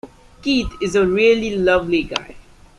Keith is a really lovely guy.